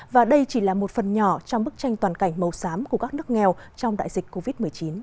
và đây chỉ là một phần nhỏ trong bức tranh toàn cảnh màu xám của các nước nghèo trong đại dịch covid một mươi chín